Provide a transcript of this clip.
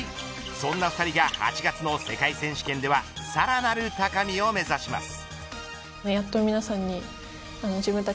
そんな２人が８月の世界選手権ではさらなる高みを目指します。